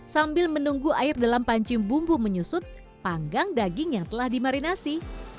sambil menunggu air dalam pancing bumbu menyusut panggang daging yang telah dimarinasi